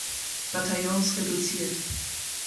Bataillons reduziert.